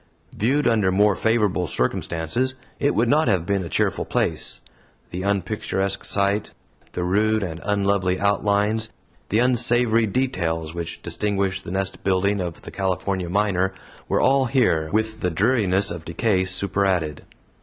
Viewed under more favorable circumstances, it would not have been a cheerful place. The unpicturesque site, the rude and unlovely outlines, the unsavory details, which distinguish the nest building of the California miner, were all here, with the dreariness of decay superadded.